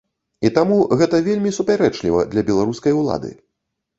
І таму гэта вельмі супярэчліва для беларускай улады.